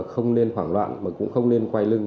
không nên hoảng loạn và không nên quay lưng